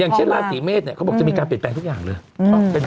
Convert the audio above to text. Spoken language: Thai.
เช่นราศีเมษเนี่ยเขาบอกจะมีการเปลี่ยนแปลงทุกอย่างเลย